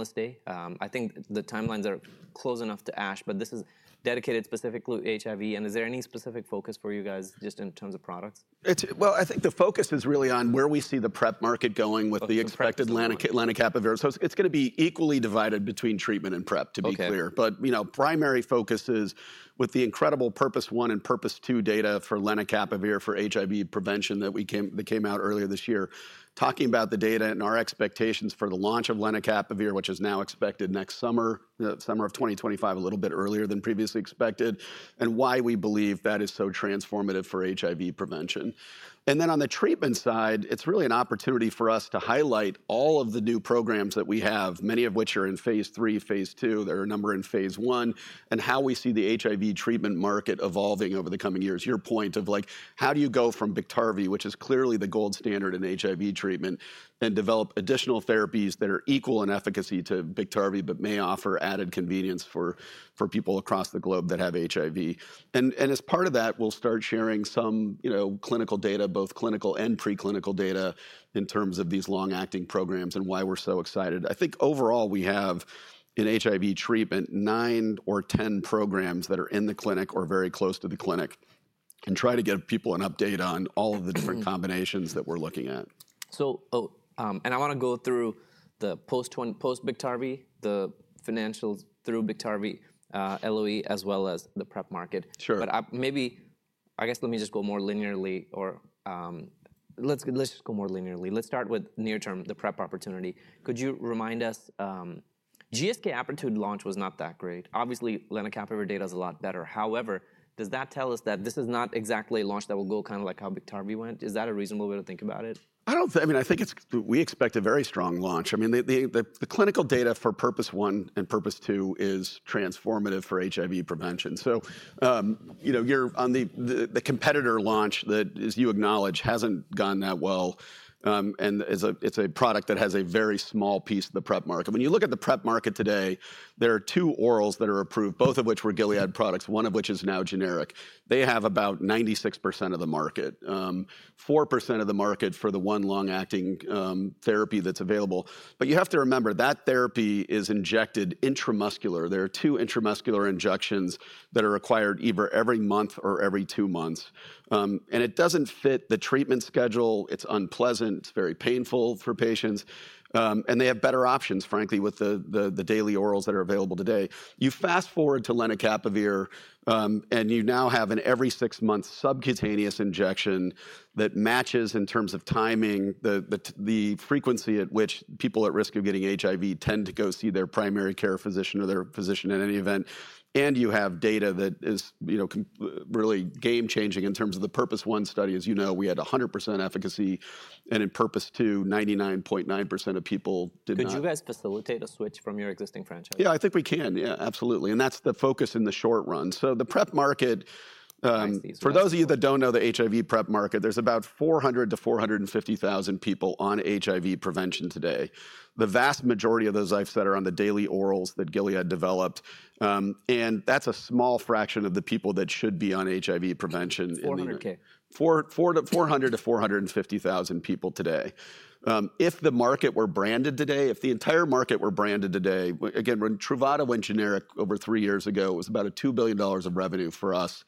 Analyst Day. I think the timelines are close enough to ASH, but this is dedicated specifically to HIV. And is there any specific focus for you guys just in terms of products? I think the focus is really on where we see the PrEP market going with the expected lenacapavir. So it's going to be equally divided between treatment and PrEP, to be clear. But, you know, primary focus is with the incredible PURPOSE 1 and PURPOSE 2 data for lenacapavir for HIV prevention that came out earlier this year, talking about the data and our expectations for the launch of lenacapavir, which is now expected next summer. The summer of 2025, a little bit earlier than previously expected, and why we believe that is so transformative for HIV prevention. And then on the treatment side, it's really an opportunity for us to highlight all of the new programs that we have, many of which are in phase III, phase II, there are a number in phase I, and how we see the HIV treatment market evolving over the coming years. Your point of, like, how do you go from Biktarvy, which is clearly the gold standard in HIV treatment, and develop additional therapies that are equal in efficacy to Biktarvy, but may offer added convenience for people across the globe that have HIV? And as part of that, we'll start sharing some clinical data, both clinical and preclinical data, in terms of these long-acting programs and why we're so excited. I think overall we have in HIV treatment nine or ten programs that are in the clinic or very close to the clinic and try to give people an update on all of the different combinations that we're looking at. So, and I want to go through the post-Biktarvy, the financials through Biktarvy, LOE, as well as the PrEP market. Sure. But maybe, I guess, let me just go more linearly or let's just go more linearly. Let's start with near-term, the PrEP opportunity. Could you remind us, GSK Apretude launch was not that great. Obviously, lenacapavir data is a lot better. However, does that tell us that this is not exactly a launch that will go kind of like how Biktarvy went? Is that a reasonable way to think about it? I don't think, I mean, I think we expect a very strong launch. I mean, the clinical data for PURPOSE 1 and PURPOSE 2 is transformative for HIV prevention. So, you know, you're on the competitor launch that, as you acknowledge, hasn't gone that well. And it's a product that has a very small piece of the PrEP market. When you look at the PrEP market today, there are two orals that are approved, both of which were Gilead products, one of which is now generic. They have about 96% of the market, 4% of the market for the one long-acting therapy that's available. But you have to remember that therapy is injected intramuscular. There are two intramuscular injections that are required either every month or every two months. And it doesn't fit the treatment schedule. It's unpleasant. It's very painful for patients. And they have better options, frankly, with the daily orals that are available today. You fast forward to lenacapavir, and you now have an every six-month subcutaneous injection that matches in terms of timing the frequency at which people at risk of getting HIV tend to go see their primary care physician or their physician in any event. And you have data that is really game-changing in terms of the PURPOSE 1 study. As you know, we had 100% efficacy. And in PURPOSE 2, 99.9% of people did not. Could you guys facilitate a switch from your existing franchise? Yeah, I think we can. Yeah, absolutely. And that's the focus in the short run. So the PrEP market, for those of you that don't know the HIV PrEP market, there's about 400,000-450,000 people on HIV prevention today. The vast majority of those I've said are on the daily orals that Gilead developed. And that's a small fraction of the people that should be on HIV prevention in the. 400,000. 400,000-450,000 people today. If the market were branded today, if the entire market were branded today, again, when Truvada went generic over three years ago, it was about $2 billion of revenue for us.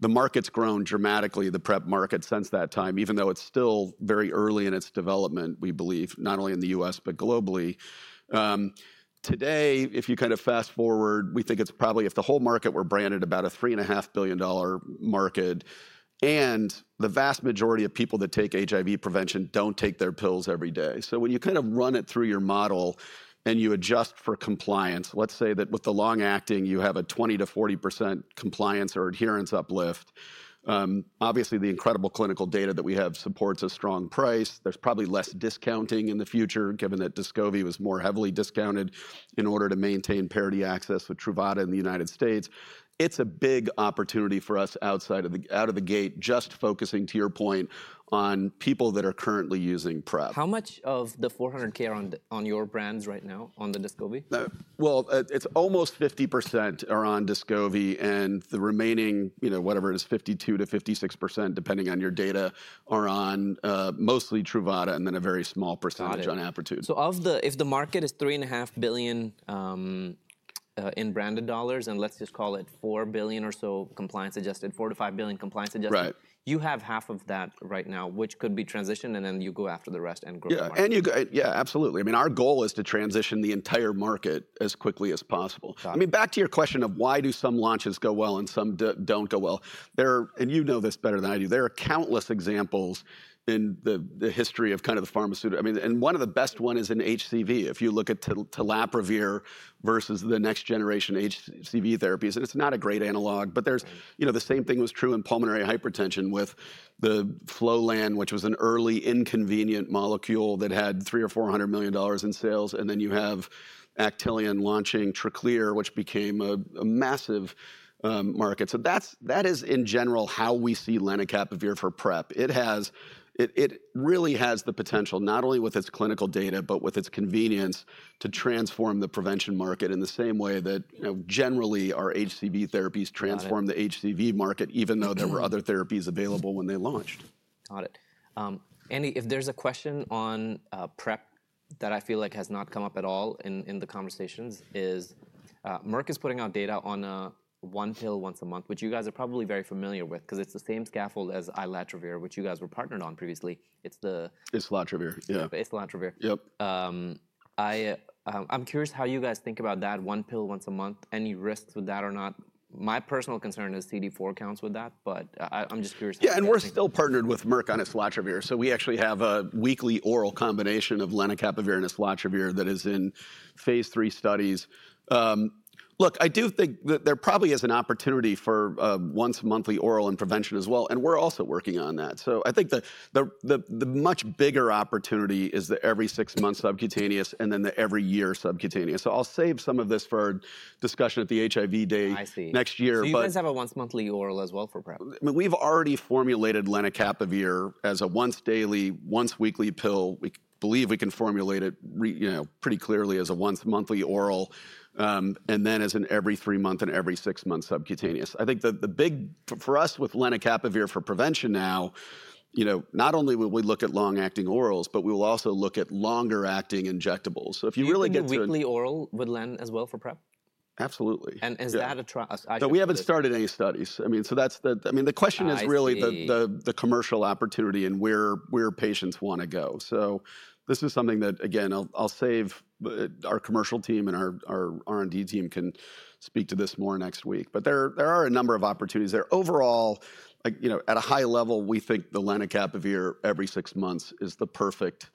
The market's grown dramatically, the PrEP market, since that time, even though it's still very early in its development, we believe, not only in the U.S., but globally. Today, if you kind of fast forward, we think it's probably, if the whole market were branded, about a $3.5 billion market. The vast majority of people that take HIV prevention don't take their pills every day. So when you kind of run it through your model and you adjust for compliance, let's say that with the long-acting, you have a 20%-40% compliance or adherence uplift. Obviously, the incredible clinical data that we have supports a strong price. There's probably less discounting in the future, given that Descovy was more heavily discounted in order to maintain parity access with Truvada in the United States. It's a big opportunity for us outside of the gate, just focusing, to your point, on people that are currently using PrEP. How much of the 400,000 are on your brands right now, on the Descovy? It's almost 50% are on Descovy, and the remaining, you know, whatever it is, 52%-56%, depending on your data, are on mostly Truvada and then a very small percentage on Apretude. So if the market is $3.5 billion in branded dollars, and let's just call it $4 billion or so compliance adjusted, $4 billion-$5 billion compliance adjusted, you have half of that right now, which could be transitioned, and then you go after the rest and grow it. Yeah, and you go, yeah, absolutely. I mean, our goal is to transition the entire market as quickly as possible. I mean, back to your question of why do some launches go well and some don't go well. And you know this better than I do. There are countless examples in the history of kind of the pharmaceutical. I mean, and one of the best ones is in HCV. If you look at telaprevir versus the next generation HCV therapies, and it's not a great analog, but there's, you know, the same thing was true in pulmonary hypertension with the Flolan, which was an early inconvenient molecule that had $300 million-$400 million in sales. And then you have Actelion launching Traclear, which became a massive market. So that is, in general, how we see lenacapavir for PrEP. It really has the potential, not only with its clinical data, but with its convenience to transform the prevention market in the same way that, you know, generally our HCV therapies transform the HCV market, even though there were other therapies available when they launched. Got it. And if there's a question on PrEP that I feel like has not come up at all in the conversations is Merck is putting out data on a one pill once a month, which you guys are probably very familiar with, because it's the same scaffold as islatravir, which you guys were partnered on previously. It's the. It's islatravir, yeah. It's islatravir. Yep. I'm curious how you guys think about that one pill once a month, any risks with that or not. My personal concern is CD4 counts with that, but I'm just curious. Yeah, and we're still partnered with Merck on its islatravir. So we actually have a weekly oral combination of lenacapavir and its islatravir that is in phase III studies. Look, I do think that there probably is an opportunity for once-monthly oral and prevention as well. And we're also working on that. So I think the much bigger opportunity is the every six-month subcutaneous and then the every year subcutaneous. So I'll save some of this for our discussion at the HIV Day next year. I see. So you guys have a once-monthly oral as well for PrEP? I mean, we've already formulated lenacapavir as a once-daily, once-weekly pill. We believe we can formulate it, you know, pretty clearly as a once-monthly oral and then as an every three-month and every six-month subcutaneous. I think the big for us with lenacapavir for prevention now, you know, not only will we look at long-acting orals, but we will also look at longer-acting injectables. So if you really get to. So a weekly oral would land as well for PrEP? Absolutely. Is that in trials? No, we haven't started any studies. I mean, so that's the, I mean, the question is really the commercial opportunity and where patients want to go. So this is something that, again, I'll leave our commercial team and our R&D team can speak to this more next week. But there are a number of opportunities there. Overall, you know, at a high level, we think the lenacapavir every six months is the perfect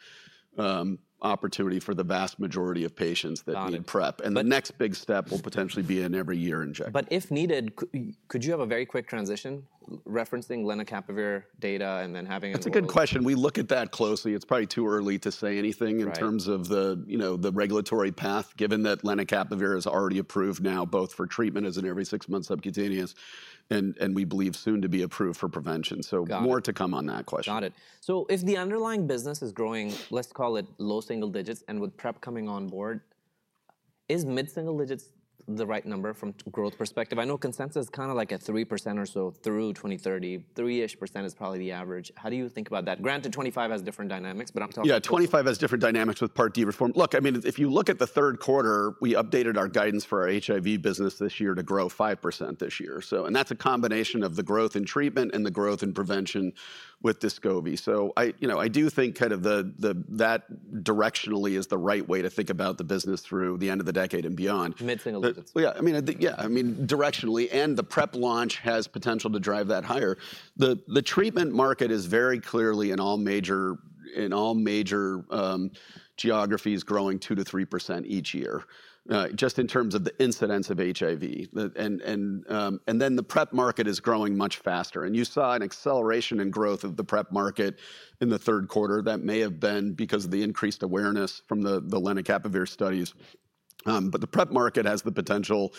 opportunity for the vast majority of patients that need PrEP. And the next big step will potentially be an every year injection. But if needed, could you have a very quick transition referencing lenacapavir data and then having a? That's a good question. We look at that closely. It's probably too early to say anything in terms of the, you know, the regulatory path, given that lenacapavir is already approved now, both for treatment as an every six-month subcutaneous and we believe soon to be approved for prevention. So more to come on that question. Got it. So if the underlying business is growing, let's call it low single digits, and with PrEP coming on board, is mid-single digits the right number from growth perspective? I know consensus is kind of like at 3% or so through 2030. 3-ish percent is probably the average. How do you think about that? Granted, 2025 has different dynamics, but I'm talking about. Yeah, 2025 has different dynamics with Part D reform. Look, I mean, if you look at the third quarter, we updated our guidance for our HIV business this year to grow 5% this year. So, and that's a combination of the growth in treatment and the growth in prevention with Descovy. So, you know, I do think kind of that directionally is the right way to think about the business through the end of the decade and beyond. Mid-single digits. Yeah, I mean, directionally and the PrEP launch has potential to drive that higher. The treatment market is very clearly in all major geographies growing 2%-3% each year, just in terms of the incidence of HIV. And then the PrEP market is growing much faster. And you saw an acceleration in growth of the PrEP market in the third quarter that may have been because of the increased awareness from the lenacapavir studies. But the PrEP market has the potential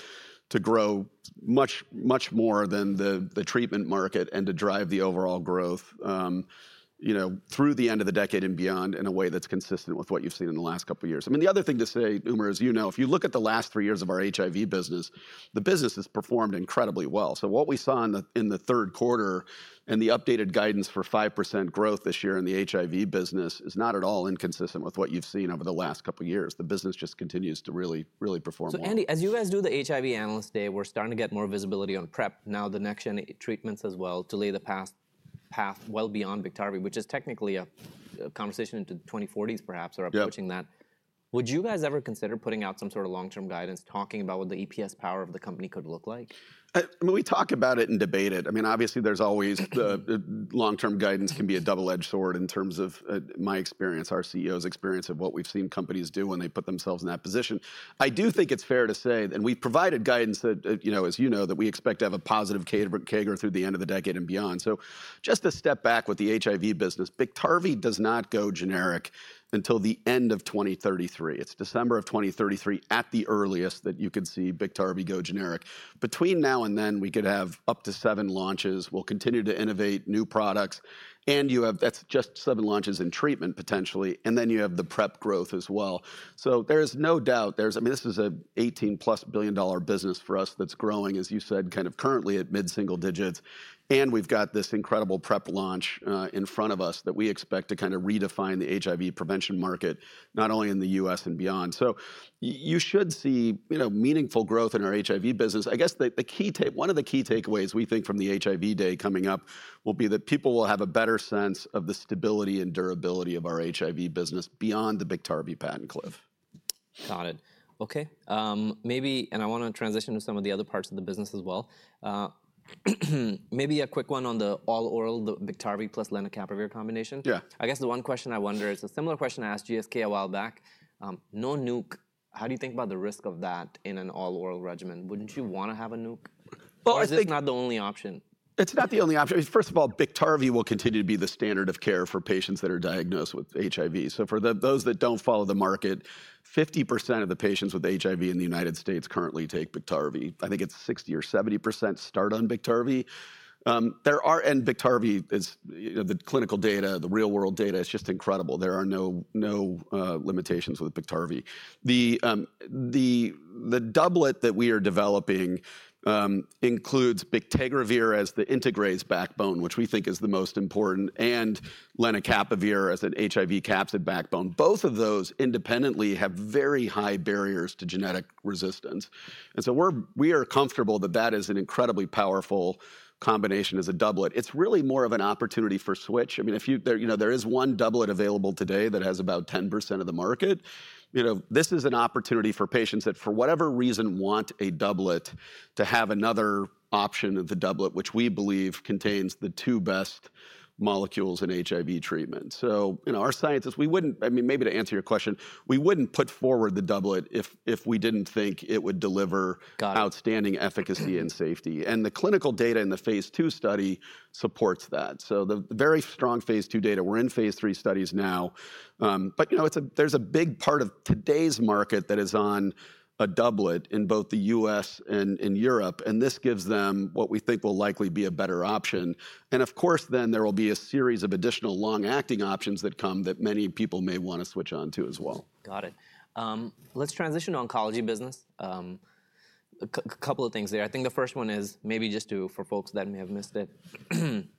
to grow much, much more than the treatment market and to drive the overall growth, you know, through the end of the decade and beyond in a way that's consistent with what you've seen in the last couple of years. I mean, the other thing to say, Umer, is, you know, if you look at the last three years of our HIV business, the business has performed incredibly well. So what we saw in the third quarter and the updated guidance for 5% growth this year in the HIV business is not at all inconsistent with what you've seen over the last couple of years. The business just continues to really, really perform well. So, Andy, as you guys do the HIV Analyst Day, we're starting to get more visibility on PrEP, now the next gen treatments as well, to lay the path well beyond Biktarvy, which is technically a conversation into the 2040s, perhaps, or approaching that. Would you guys ever consider putting out some sort of long-term guidance talking about what the EPS power of the company could look like? I mean, we talk about it and debate it. I mean, obviously, there's always the long-term guidance can be a double-edged sword in terms of my experience, our CEO's experience of what we've seen companies do when they put themselves in that position. I do think it's fair to say that, and we've provided guidance that, you know, that we expect to have a positive CAGR through the end of the decade and beyond. So just to step back with the HIV business, Biktarvy does not go generic until the end of 2033. It's December of 2033 at the earliest that you could see Biktarvy go generic. Between now and then, we could have up to seven launches. We'll continue to innovate new products. And you have, that's just seven launches in treatment potentially. And then you have the PrEP growth as well. So there is no doubt there's, I mean, this is an $18+ billion business for us that's growing, as you said, kind of currently at mid-single digits. And we've got this incredible PrEP launch in front of us that we expect to kind of redefine the HIV prevention market, not only in the U.S. and beyond. So you should see, you know, meaningful growth in our HIV business. I guess the key take, one of the key takeaways we think from the HIV Day coming up will be that people will have a better sense of the stability and durability of our HIV business beyond the Biktarvy patent cliff. Got it. Okay. Maybe, and I want to transition to some of the other parts of the business as well. Maybe a quick one on the all-oral, the Biktarvy plus lenacapavir combination. Yeah. I guess the one question I wonder is a similar question I asked GSK a while back. No nuc, how do you think about the risk of that in an all-oral regimen? Wouldn't you want to have a nuc? I think. Or is it not the only option? It's not the only option. First of all, Biktarvy will continue to be the standard of care for patients that are diagnosed with HIV. So for those that don't follow the market, 50% of the patients with HIV in the United States currently take Biktarvy. I think it's 60% or 70% start on Biktarvy. There are, and Biktarvy is, you know, the clinical data, the real-world data. It's just incredible. There are no limitations with Biktarvy. The doublet that we are developing includes bictegravir as the integrase backbone, which we think is the most important, and lenacapavir as an HIV capsid backbone. Both of those independently have very high barriers to genetic resistance. And so we are comfortable that that is an incredibly powerful combination as a doublet. It's really more of an opportunity for switch. I mean, if you, you know, there is one doublet available today that has about 10% of the market. You know, this is an opportunity for patients that for whatever reason want a doublet to have another option of the doublet, which we believe contains the two best molecules in HIV treatment. So, you know, our scientists, we wouldn't, I mean, maybe to answer your question, we wouldn't put forward the doublet if we didn't think it would deliver outstanding efficacy and safety. And the clinical data in the phase II study supports that. So the very strong phase II data, we're in phase III studies now. But, you know, there's a big part of today's market that is on a doublet in both the U.S. and in Europe. And this gives them what we think will likely be a better option. And of course, then there will be a series of additional long-acting options that come that many people may want to switch on to as well. Got it. Let's transition to the oncology business. A couple of things there. I think the first one is maybe just for folks that may have missed it.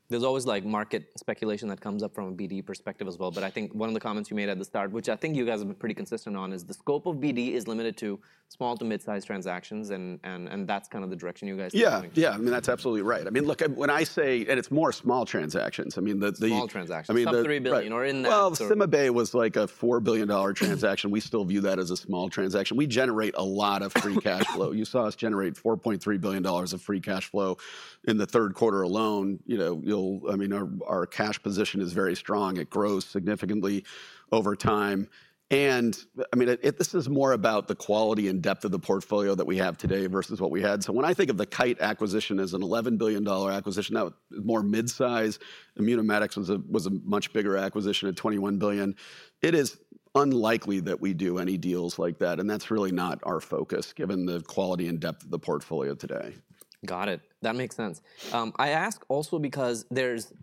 There's always like market speculation that comes up from a BD perspective as well. But I think one of the comments you made at the start, which I think you guys have been pretty consistent on, is the scope of BD is limited to small to mid-sized transactions. And that's kind of the direction you guys are going. Yeah, yeah, I mean, that's absolutely right. I mean, look, when I say, and it's more small transactions, I mean, the. Small transactions. I mean. sub-$3 billion or in that. CymaBay was like a $4 billion transaction. We still view that as a small transaction. We generate a lot of free cash flow. You saw us generate $4.3 billion of free cash flow in the third quarter alone. You know, I mean, our cash position is very strong. It grows significantly over time. I mean, this is more about the quality and depth of the portfolio that we have today versus what we had. When I think of the Kite acquisition as an $11 billion acquisition, that was more mid-size. Immunomedics was a much bigger acquisition at $21 billion. It is unlikely that we do any deals like that. That's really not our focus given the quality and depth of the portfolio today. Got it. That makes sense. I ask also because there's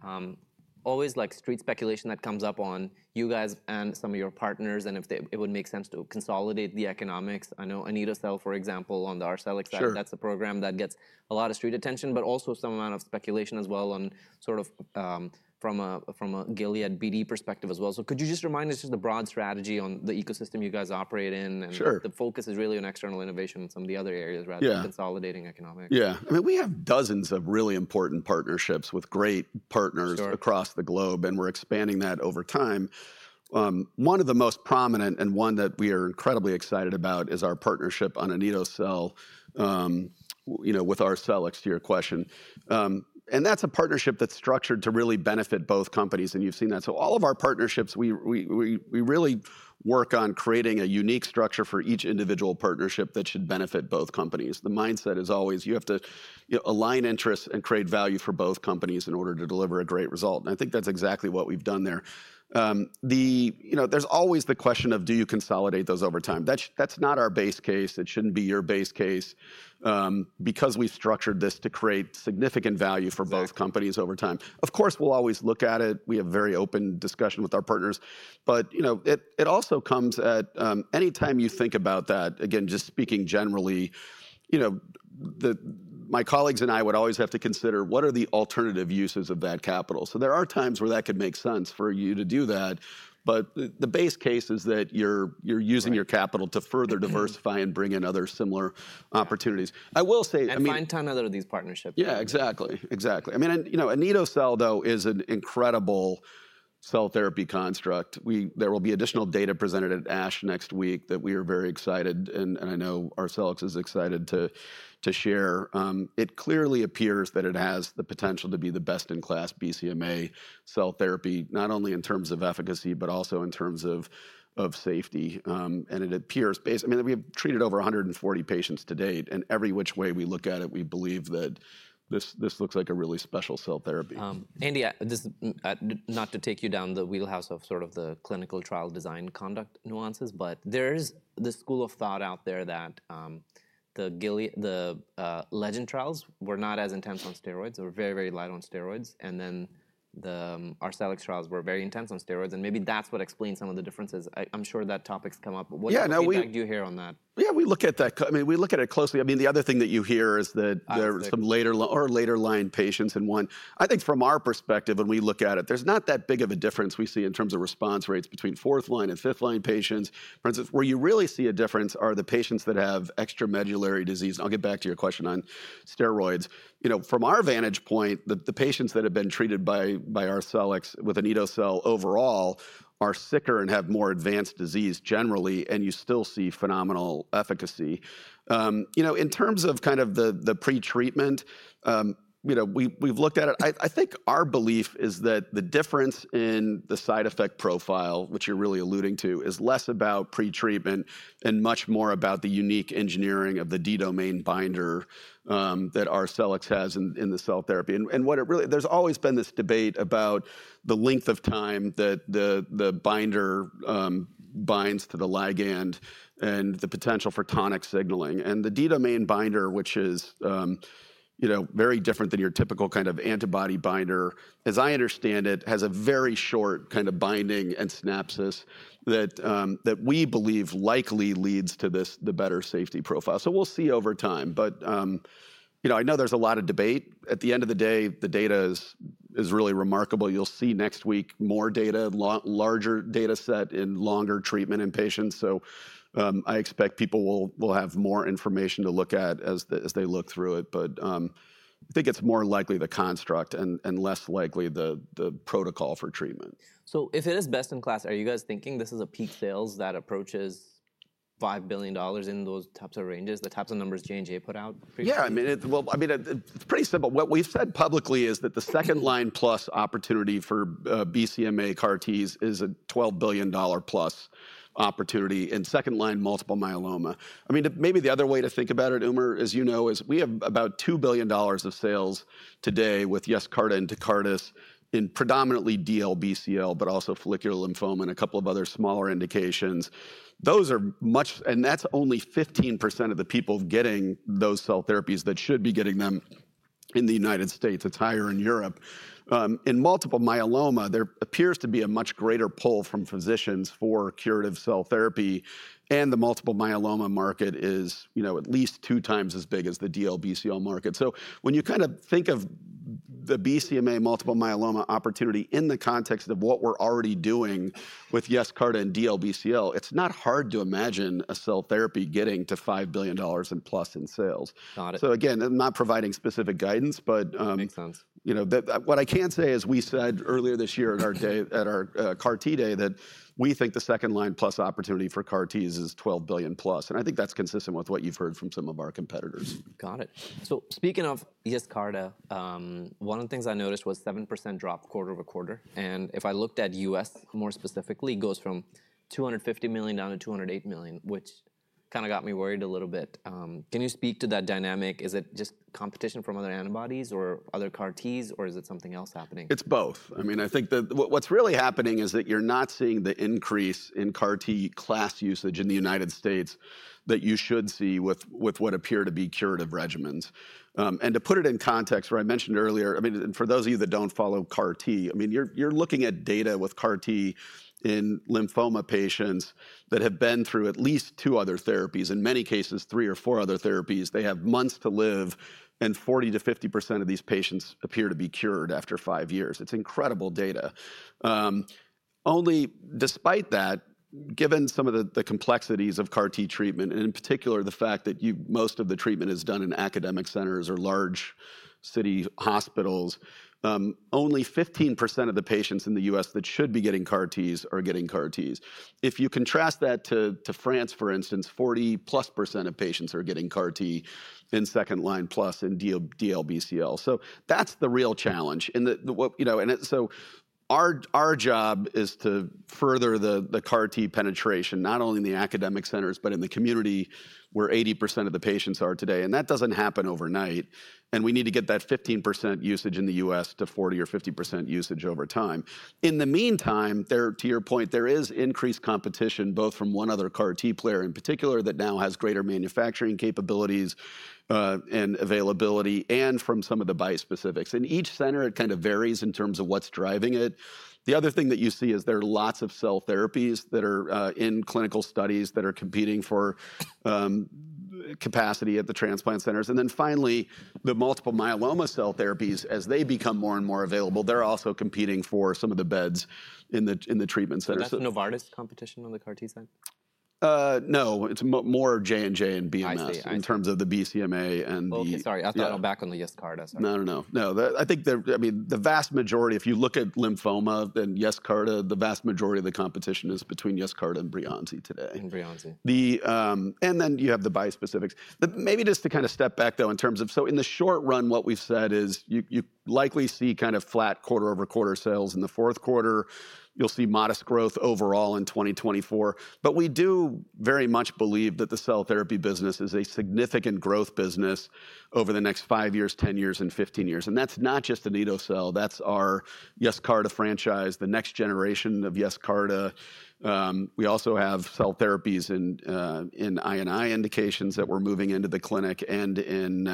always like street speculation that comes up on you guys and some of your partners and if it would make sense to consolidate the economics. I know anito-cel, for example, on the Arcellx, that's a program that gets a lot of street attention, but also some amount of speculation as well on sort of from a Gilead BD perspective as well. So could you just remind us just the broad strategy on the ecosystem you guys operate in? Sure. The focus is really on external innovation in some of the other areas rather than consolidating economics. Yeah. I mean, we have dozens of really important partnerships with great partners across the globe, and we're expanding that over time. One of the most prominent and one that we are incredibly excited about is our partnership on anito-cel, you know, with Arcellx. And that's a partnership that's structured to really benefit both companies, and you've seen that. So all of our partnerships, we really work on creating a unique structure for each individual partnership that should benefit both companies. The mindset is always you have to align interests and create value for both companies in order to deliver a great result. And I think that's exactly what we've done there. The, you know, there's always the question of do you consolidate those over time? That's not our base case. It shouldn't be your base case because we structured this to create significant value for both companies over time. Of course, we'll always look at it. We have a very open discussion with our partners. But, you know, it also comes at any time you think about that, again, just speaking generally, you know, my colleagues and I would always have to consider what are the alternative uses of that capital. So there are times where that could make sense for you to do that. But the base case is that you're using your capital to further diversify and bring in other similar opportunities. I will say. Find time out of these partnerships. Yeah, exactly. Exactly. I mean, and you know, anito-cel, though, is an incredible cell therapy construct. There will be additional data presented at ASH next week that we are very excited, and I know our colleagues is excited to share. It clearly appears that it has the potential to be the best in class BCMA cell therapy, not only in terms of efficacy, but also in terms of safety. And it appears based, I mean, we have treated over 140 patients to date. And every which way we look at it, we believe that this looks like a really special cell therapy. Andy, not to take you down the wheelhouse of sort of the clinical trial design conduct nuances, but there is this school of thought out there that the Legend trials were not as intense on steroids. They were very, very light on steroids, and then the Arcellx trials were very intense on steroids, and maybe that's what explains some of the differences. I'm sure that topic's come up. What do you think you hear on that? Yeah, we look at that. I mean, we look at it closely. I mean, the other thing that you hear is that there are some later- or later-line patients in one. I think from our perspective, when we look at it, there's not that big of a difference we see in terms of response rates between fourth-line and fifth-line patients. For instance, where you really see a difference are the patients that have extramedullary disease. And I'll get back to your question on steroids. You know, from our vantage point, the patients that have been treated by Arcellx with anito-cel overall are sicker and have more advanced disease generally, and you still see phenomenal efficacy. You know, in terms of kind of the pretreatment, you know, we've looked at it. I think our belief is that the difference in the side effect profile, which you're really alluding to, is less about pretreatment and much more about the unique engineering of the D-domain binder that Arcellx has in the cell therapy. And what it really, there's always been this debate about the length of time that the binder binds to the ligand and the potential for tonic signaling. And the D-domain binder, which is, you know, very different than your typical kind of antibody binder, as I understand it, has a very short kind of binding and synapsis that we believe likely leads to this, the better safety profile. So we'll see over time. But, you know, I know there's a lot of debate. At the end of the day, the data is really remarkable. You'll see next week more data, larger data set in longer treatment in patients. So I expect people will have more information to look at as they look through it. But I think it's more likely the construct and less likely the protocol for treatment. So if it is best in class, are you guys thinking this is a peak sales that approaches $5 billion in those types of ranges, the types of numbers J&J put out? Yeah, I mean, well, I mean, it's pretty simple. What we've said publicly is that the second-line plus opportunity for BCMA CAR-Ts is a $12 billion+ opportunity in second line multiple myeloma. I mean, maybe the other way to think about it, Umer, as you know, is we have about $2 billion of sales today with Yescarta and Tecartus in predominantly DLBCL, but also follicular lymphoma and a couple of other smaller indications. Those are much, and that's only 15% of the people getting those cell therapies that should be getting them in the United States. It's higher in Europe. In multiple myeloma, there appears to be a much greater pull from physicians for curative cell therapy. And the multiple myeloma market is, you know, at least two times as big as the DLBCL market. So when you kind of think of the BCMA multiple myeloma opportunity in the context of what we're already doing with Yescarta and DLBCL, it's not hard to imagine a cell therapy getting to $5 billion and plus in sales. Got it. So again, I'm not providing specific guidance, but. Makes sense. You know, what I can say is we said earlier this year at our CAR-T Day that we think the second line plus opportunity for CAR-Ts is $12 billion+, and I think that's consistent with what you've heard from some of our competitors. Got it. So speaking of Yescarta, one of the things I noticed was a 7% drop quarter-over-quarter, and if I looked at U.S. more specifically, it goes from $250 million down to $208 million, which kind of got me worried a little bit. Can you speak to that dynamic? Is it just competition from other antibodies or other CAR-Ts, or is it something else happening? It's both. I mean, I think that what's really happening is that you're not seeing the increase in CAR-T class usage in the United States that you should see with what appear to be curative regimens. And to put it in context, where I mentioned earlier, I mean, for those of you that don't follow CAR-T, I mean, you're looking at data with CAR-T in lymphoma patients that have been through at least two other therapies, in many cases, three or four other therapies. They have months to live, and 40%-50% of these patients appear to be cured after five years. It's incredible data. Only despite that, given some of the complexities of CAR-T treatment, and in particular, the fact that most of the treatment is done in academic centers or large city hospitals, only 15% of the patients in the U.S. That should be getting CAR-Ts are getting CAR-Ts. If you contrast that to France, for instance, 40%+ of patients are getting CAR-T in second-line plus in DLBCL. So that's the real challenge. And you know, and so our job is to further the CAR-T penetration, not only in the academic centers, but in the community where 80% of the patients are today. And that doesn't happen overnight. And we need to get that 15% usage in the U.S. to 40% or 50% usage over time. In the meantime, to your point, there is increased competition both from one other CAR-T player in particular that now has greater manufacturing capabilities and availability and from some of the bispecifics. In each center, it kind of varies in terms of what's driving it. The other thing that you see is there are lots of cell therapies that are in clinical studies that are competing for capacity at the transplant centers. And then finally, the multiple myeloma cell therapies, as they become more and more available, they're also competing for some of the beds in the treatment centers. Is that Novartis competition on the CAR-T side? No, it's more J&J and BMS in terms of the BCMA and the. Okay, sorry. I thought I'm back on the Yescarta side. No, no, no. No, I think that, I mean, the vast majority, if you look at lymphoma and Yescarta, the vast majority of the competition is between Yescarta and Breyanzi today. And Breyanzi. And then you have the bispecifics. Maybe just to kind of step back though in terms of, so in the short run, what we've said is you likely see kind of flat quarter-over-quarter sales in the fourth quarter. You'll see modest growth overall in 2024. But we do very much believe that the cell therapy business is a significant growth business over the next five years, 10 years, and 15 years. And that's not just anito-cel. That's our Yescarta franchise, the next generation of Yescarta. We also have cell therapies in I&I indications that we're moving into the clinic. And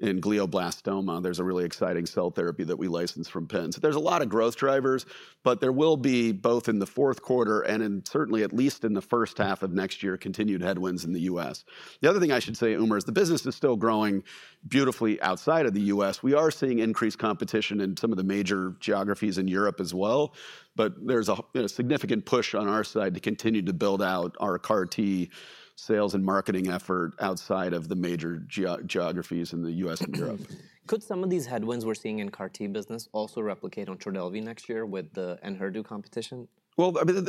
in glioblastoma, there's a really exciting cell therapy that we license from Penn. So there's a lot of growth drivers, but there will be both in the fourth quarter and in certainly at least in the first half of next year, continued headwinds in the U.S. The other thing I should say, Umer, is the business is still growing beautifully outside of the U.S. We are seeing increased competition in some of the major geographies in Europe as well. But there's a significant push on our side to continue to build out our CAR-T sales and marketing effort outside of the major geographies in the U.S. and Europe. Could some of these headwinds we're seeing in CAR-T business also replicate on Trodelvy next year with the ENHERTU competition? I mean,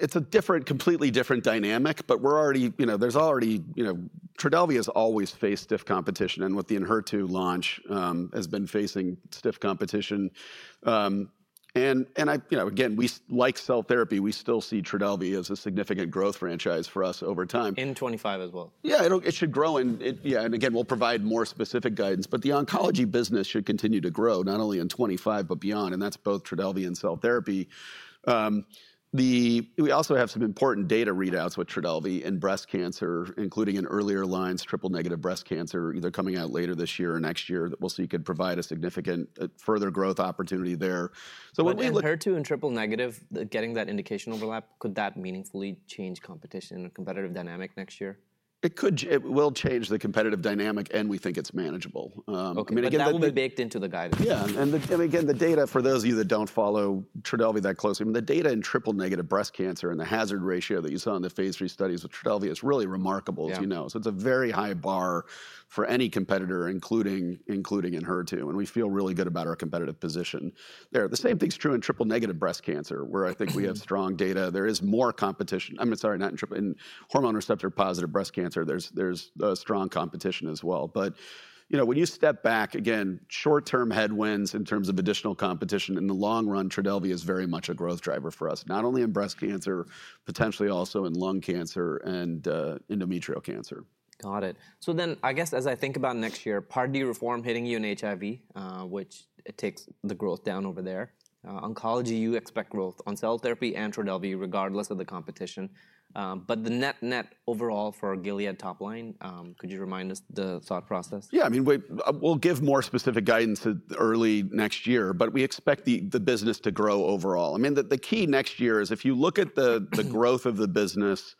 it's a different, completely different dynamic, but we're already, you know, there's already, you know, Trodelvy has always faced stiff competition. With the ENHERTU launch, has been facing stiff competition. I, you know, again, we like cell therapy. We still see Trodelvy as a significant growth franchise for us over time. In 2025 as well. Yeah, it should grow in, yeah. And again, we'll provide more specific guidance. But the oncology business should continue to grow not only in 2025, but beyond. And that's both Trodelvy and cell therapy. We also have some important data readouts with Trodelvy in breast cancer, including in earlier lines, triple negative breast cancer, either coming out later this year or next year. We'll see if you could provide a significant further growth opportunity there. When we look at ENHERTU and triple-negative, getting that indication overlap, could that meaningfully change competition and competitive dynamic next year? It could, it will change the competitive dynamic, and we think it's manageable. Okay, that will be baked into the guidance. Yeah. And again, the data, for those of you that don't follow Trodelvy that closely, I mean, the data in triple negative breast cancer and the hazard ratio that you saw in the phase III studies with Trodelvy is really remarkable, as you know. So it's a very high bar for any competitor, including ENHERTU. And we feel really good about our competitive position there. The same thing's true in triple negative breast cancer, where I think we have strong data. There is more competition. I'm sorry, not in triple, in hormone receptor positive breast cancer, there's strong competition as well. But, you know, when you step back, again, short-term headwinds in terms of additional competition. In the long run, Trodelvy is very much a growth driver for us, not only in breast cancer, potentially also in lung cancer and endometrial cancer. Got it. So then I guess as I think about next year, Part D reform hitting you in HIV, which takes the growth down over there. Oncology, you expect growth on cell therapy and Trodelvy, regardless of the competition. But the net-net overall for Gilead top line, could you remind us the thought process? Yeah, I mean, we'll give more specific guidance early next year, but we expect the business to grow overall. I mean, the key next year is if you look at the growth of the business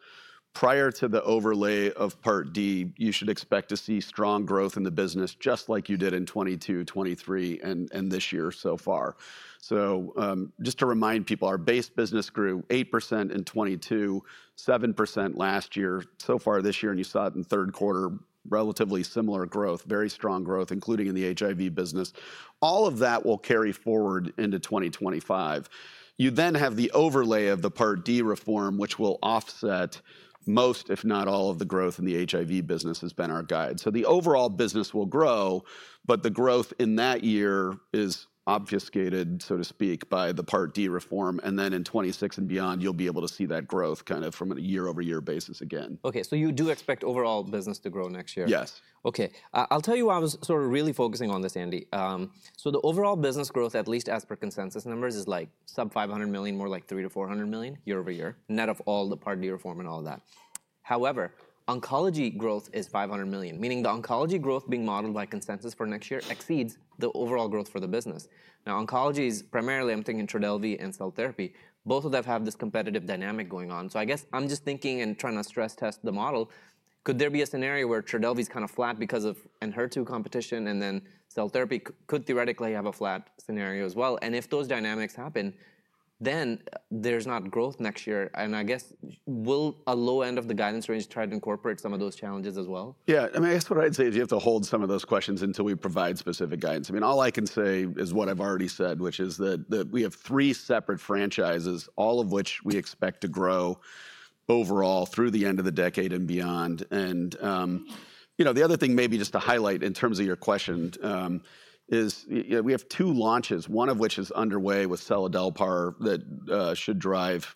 prior to the overlay of Part D, you should expect to see strong growth in the business, just like you did in 2022, 2023, and this year so far. So just to remind people, our base business grew 8% in 2022, 7% last year, so far this year, and you saw it in third quarter, relatively similar growth, very strong growth, including in the HIV business. All of that will carry forward into 2025. You then have the overlay of the Part D reform, which will offset most, if not all, of the growth in the HIV business. That has been our guide. So the overall business will grow, but the growth in that year is obfuscated, so to speak, by the Part D reform. And then in 2026 and beyond, you'll be able to see that growth kind of from a year-over-year basis again. Okay, so you do expect overall business to grow next year? Yes. Okay. I'll tell you why I was sort of really focusing on this, Andy. So the overall business growth, at least as per consensus numbers, is like sub-$500 million, more like $300 million to $400 million year over year, net of all the Part D reform and all of that. However, oncology growth is $500 million, meaning the oncology growth being modeled by consensus for next year exceeds the overall growth for the business. Now, oncology is primarily, I'm thinking Trodelvy and cell therapy. Both of them have this competitive dynamic going on. So I guess I'm just thinking and trying to stress test the model. Could there be a scenario where Trodelvy's kind of flat because of ENHERTU competition and then cell therapy could theoretically have a flat scenario as well? And if those dynamics happen, then there's not growth next year. I guess will the low end of the guidance range try to incorporate some of those challenges as well? Yeah, I mean, I guess what I'd say is you have to hold some of those questions until we provide specific guidance. I mean, all I can say is what I've already said, which is that we have three separate franchises, all of which we expect to grow overall through the end of the decade and beyond. And, you know, the other thing maybe just to highlight in terms of your question is we have two launches, one of which is underway with seladelpar that should drive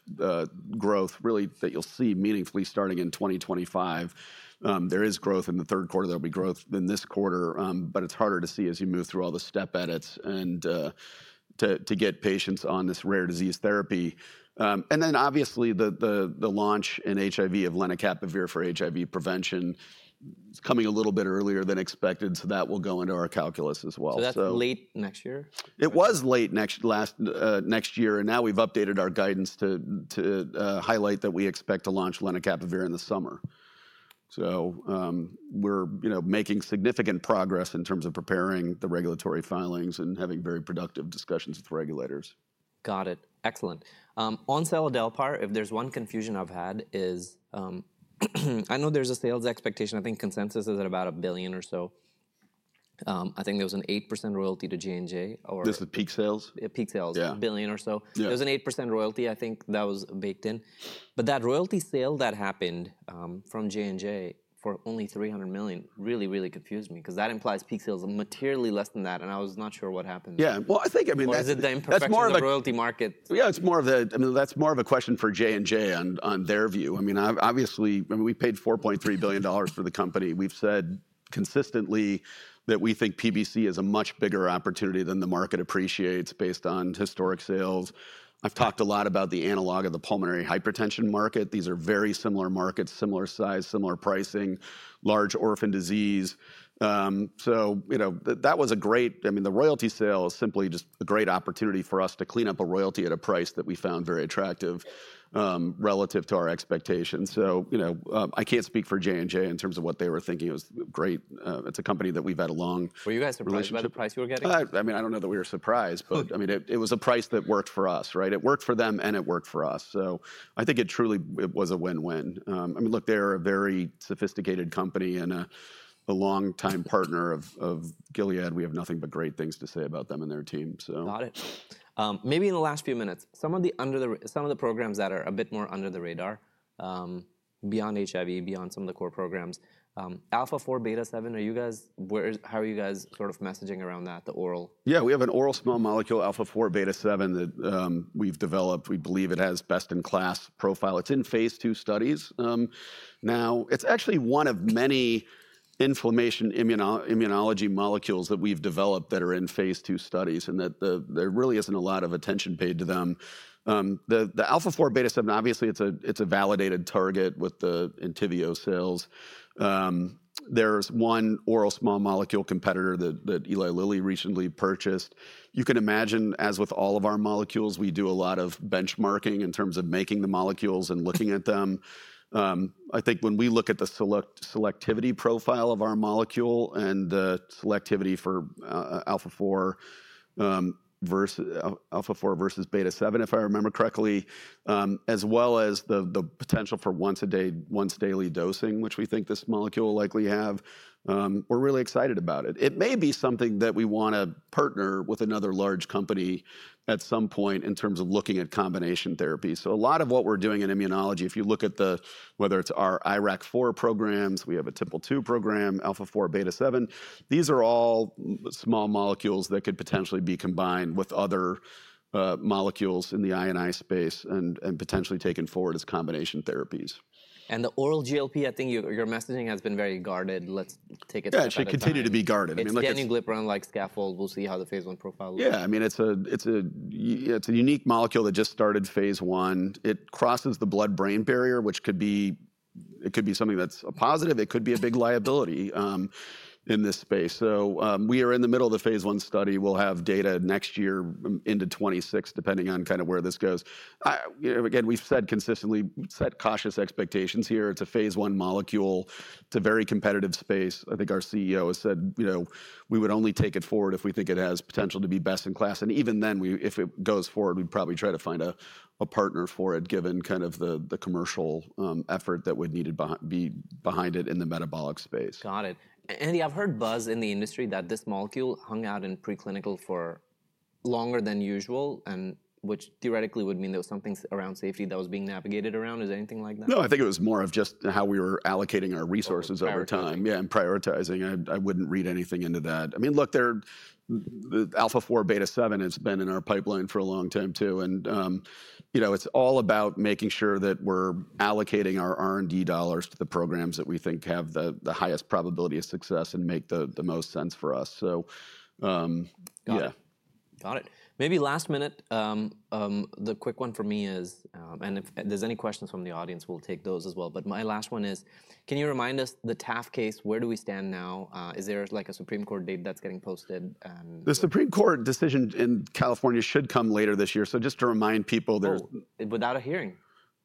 growth really that you'll see meaningfully starting in 2025. There is growth in the third quarter. There'll be growth in this quarter, but it's harder to see as you move through all the step edits and to get patients on this rare disease therapy. And then obviously the launch in HIV of lenacapavir for HIV prevention is coming a little bit earlier than expected. So that will go into our calculus as well. So that's late next year? It was late next year and now we've updated our guidance to highlight that we expect to launch lenacapavir in the summer, so we're, you know, making significant progress in terms of PrEParing the regulatory filings and having very productive discussions with regulators. Got it. Excellent. On seladelpar, if there's one confusion I've had is I know there's a sales expectation. I think consensus is at about a billion or so. I think there was an 8% royalty to J&J or. This was peak sales? Peak sales, yeah. A billion or so. There was an 8% royalty. I think that was baked in. But that royalty sale that happened from J&J for only $300 million really, really confused me because that implies peak sales are materially less than that. And I was not sure what happened. Yeah, well, I think, I mean. Or is it the imperfections of the royalty market? Yeah, it's more of a. I mean, that's more of a question for J&J on their view. I mean, obviously, I mean, we paid $4.3 billion for the company. We've said consistently that we think PBC is a much bigger opportunity than the market appreciates based on historic sales. I've talked a lot about the analog of the pulmonary hypertension market. These are very similar markets, similar size, similar pricing, large orphan disease. So, you know, that was a great. I mean, the royalty sale is simply just a great opportunity for us to clean up a royalty at a price that we found very attractive relative to our expectations. So, you know, I can't speak for J&J in terms of what they were thinking. It was great. It's a company that we've had a long relationship. Were you guys surprised about the price you were getting? I mean, I don't know that we were surprised, but I mean, it was a price that worked for us, right? It worked for them and it worked for us. So I think it truly was a win-win. I mean, look, they're a very sophisticated company and a longtime partner of Gilead. We have nothing but great things to say about them and their team. Got it. Maybe in the last few minutes, some of the programs that are a bit more under the radar beyond HIV, beyond some of the core programs, alpha-4 beta-7, are you guys, how are you guys sort of messaging around that, the oral? Yeah, we have an oral small molecule, alpha-4, beta-7 that we've developed. We believe it has best-in-class profile. It's in phase II studies. Now, it's actually one of many inflammation immunology molecules that we've developed that are in phase II studies and that there really isn't a lot of attention paid to them. The alpha-4, beta-7, obviously it's a validated target with the Entyvio sales. There's one oral small molecule competitor that Eli Lilly recently purchased. You can imagine, as with all of our molecules, we do a lot of benchmarking in terms of making the molecules and looking at them. I think when we look at the selectivity profile of our molecule and the selectivity for alpha-4 beta-7, if I remember correctly, as well as the potential for once a day, once daily dosing, which we think this molecule will likely have, we're really excited about it. It may be something that we want to partner with another large company at some point in terms of looking at combination therapy, so a lot of what we're doing in immunology, if you look at the, whether it's our IRAK4 programs, we have a TPL2 program, alpha-4 beta-7. These are all small molecules that could potentially be combined with other molecules in the I&I space and potentially taken forward as combination therapies. The oral GLP-1, I think your messaging has been very guarded. Let's take it to the. Yeah, it should continue to be guarded. Standard GLP-1-like scaffold. We'll see how the phase I profile looks. Yeah, I mean, it's a unique molecule that just started phase I. It crosses the blood-brain barrier, which could be, it could be something that's a positive. It could be a big liability in this space. So we are in the middle of the phase I study. We'll have data next year into 2026, depending on kind of where this goes. Again, we've said consistently, we've set cautious expectations here. It's a phase I molecule. It's a very competitive space. I think our CEO has said, you know, we would only take it forward if we think it has potential to be best in class. And even then, if it goes forward, we'd probably try to find a partner for it, given kind of the commercial effort that would need to be behind it in the metabolic space. Got it. Andy, I've heard buzz in the industry that this molecule hung out in preclinical for longer than usual, which theoretically would mean there was something around safety that was being navigated around. Is anything like that? No, I think it was more of just how we were allocating our resources over time. Yeah, and prioritizing. I wouldn't read anything into that. I mean, look, the alpha-4 beta-7 has been in our pipeline for a long time too. And, you know, it's all about making sure that we're allocating our R&D dollars to the programs that we think have the highest probability of success and make the most sense for us. So, yeah. Got it. Maybe last minute, the quick one for me is, and if there's any questions from the audience, we'll take those as well. But my last one is, can you remind us the TAF case? Where do we stand now? Is there like a Supreme Court date that's getting posted? The Supreme Court decision in California should come later this year. So just to remind people. Without a hearing.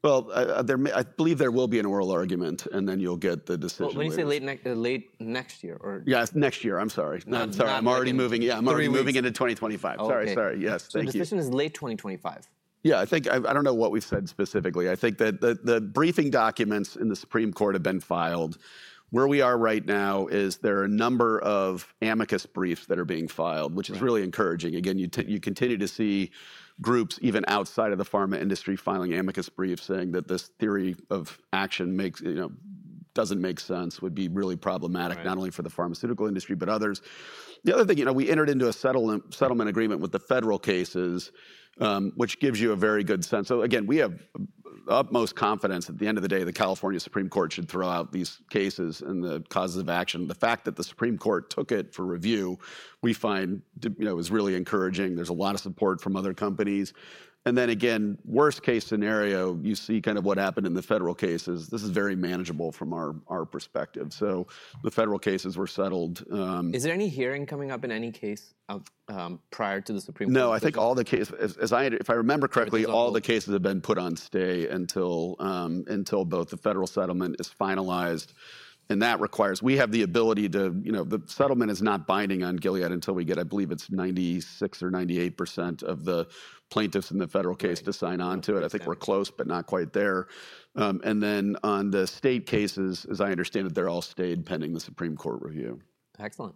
I believe there will be an oral argument and then you'll get the decision. When you say late next year or. Yeah, next year. I'm sorry. I'm sorry. I'm already moving. Yeah, I'm already moving into 2025. Sorry, sorry. Yes, thank you. The decision is late 2025. Yeah, I think I don't know what we've said specifically. I think that the briefing documents in the Supreme Court have been filed. Where we are right now is there are a number of amicus briefs that are being filed, which is really encouraging. Again, you continue to see groups even outside of the pharma industry filing amicus briefs saying that this theory of action makes, you know, doesn't make sense, would be really problematic, not only for the pharmaceutical industry, but others. The other thing, you know, we entered into a settlement agreement with the federal cases, which gives you a very good sense. So again, we have utmost confidence at the end of the day that California Supreme Court should throw out these cases and the causes of action. The fact that the Supreme Court took it for review, we find, you know, is really encouraging. There's a lot of support from other companies. And then again, worst case scenario, you see kind of what happened in the federal cases. This is very manageable from our perspective. So the federal cases were settled. Is there any hearing coming up in any case prior to the Supreme Court? No, I think all the cases, if I remember correctly, all the cases have been put on stay until both the federal settlement is finalized, and that requires we have the ability to, you know, the settlement is not binding on Gilead until we get, I believe it's 96% or 98% of the plaintiffs in the federal case to sign onto it. I think we're close, but not quite there, and then on the state cases, as I understand it, they're all stayed pending the Supreme Court review. Excellent.